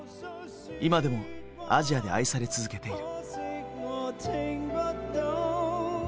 今でもアジアで愛され続けている。